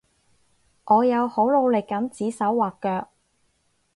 我有好努力噉指手劃腳